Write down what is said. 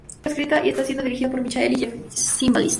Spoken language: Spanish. Fue escrita y está siendo dirigida por Michael y Jeff Zimbalist.